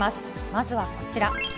まずはこちら。